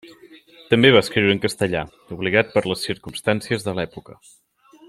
També va escriure en castellà, obligat per les circumstàncies de l'època.